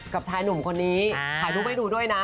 กับชายหนุ่มคนนี้ถ่ายรูปให้ดูด้วยนะ